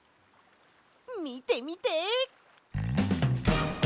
みてみて！